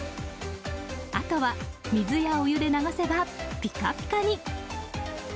あとは水やお湯で流せばピカピカに。